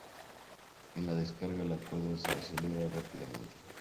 En la descarga, la cuerda se acelera rápidamente.